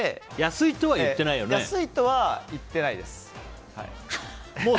安いとは言ってないです。